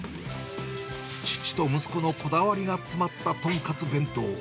父と息子のこだわりが詰まった豚カツ弁当。